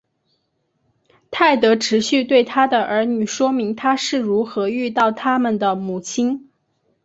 泰德持续对他的儿女说明他是如何遇到他们的母亲。